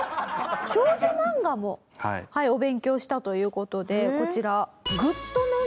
少女漫画もお勉強したという事でこちら。